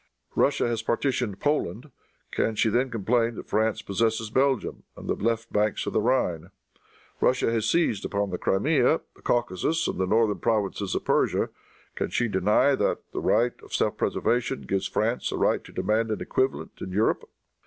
Russia has partitioned Poland. Can she then complain that France possesses Belgium and the left banks of the Rhine? Russia has seized upon the Crimea, the Caucasus, and the northern provinces of Persia. Can she deny that the right of self preservation gives France a right to demand an equivalent in Europe?